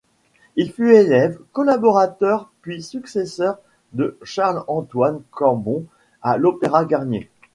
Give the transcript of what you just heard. Il fut élève, collaborateur puis successeur de Charles-Antoine Cambon à l'Opéra Garnier.